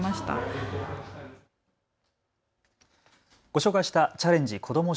ご紹介したチャレンジこども